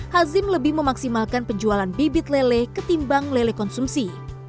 hazim lebih memaksimalkan penjualan bibit lele ketimbang lele konsumsi